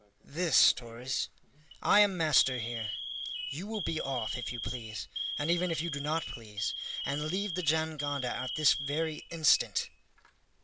"This, Torres. I am master here. You will be off, if you please, and even if you do not please, and leave the jangada at this very instant!"